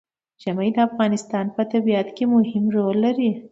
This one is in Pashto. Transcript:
ژمی د افغانستان په طبیعت کې مهم رول لري.